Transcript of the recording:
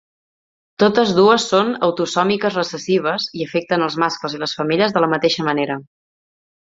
Totes dues són autosòmiques recessives i afecten els mascles i les femelles de la mateixa manera.